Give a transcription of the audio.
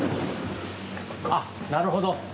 あっなるほど。